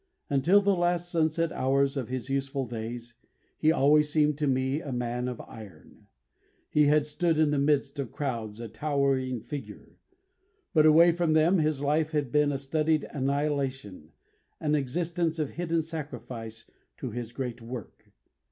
Until the last sunset hours of his useful days he always seemed to me a man of iron. He had stood in the midst of crowds a towering figure; but away from them his life had been a studied annihilation, an existence of hidden sacrifice to his great work.